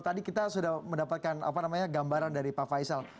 tadi kita sudah mendapatkan gambaran dari pak faisal